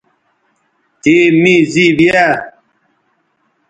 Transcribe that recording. تِے می زِیب یاء